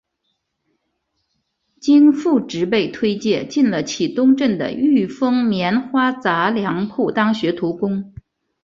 经父执辈推介进了启东镇的裕丰棉花杂粮铺当学徒工。